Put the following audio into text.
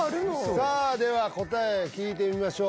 さあでは答え聞いてみましょう